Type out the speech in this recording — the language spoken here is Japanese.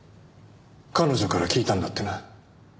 彼女から聞いたんだってな。